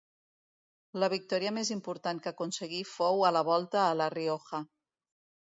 La victòria més important que aconseguí fou a la Volta a La Rioja.